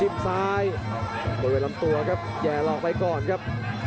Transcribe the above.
พยายามจะไถ่หน้านี่ครับการต้องเตือนเลยครับ